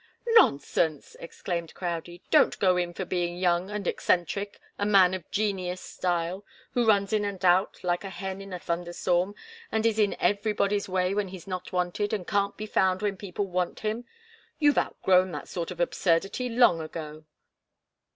"Nonsense!" exclaimed Crowdie. "Don't go in for being young and eccentric the 'man of genius' style, who runs in and out like a hen in a thunder storm, and is in everybody's way when he's not wanted and can't be found when people want him. You've outgrown that sort of absurdity long ago."